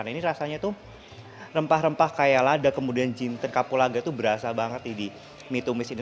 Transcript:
nah ini rasanya tuh rempah rempah kayak lada kemudian jinten kapulaga itu berasa banget di mie tumis ini